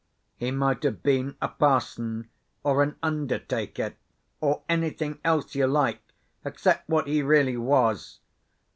He might have been a parson, or an undertaker—or anything else you like, except what he really was.